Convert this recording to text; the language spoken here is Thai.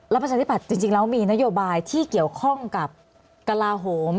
ประชาธิปัตย์จริงแล้วมีนโยบายที่เกี่ยวข้องกับกระลาโหม